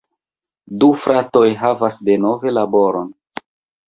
Du fratoj havas denove laboron.